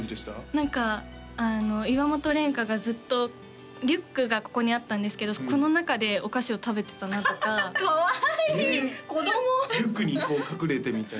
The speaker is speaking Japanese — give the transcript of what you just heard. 何か岩本蓮加がずっとリュックがここにあったんですけどこの中でお菓子を食べてたなとかかわいい子供リュックにこう隠れてみたいな？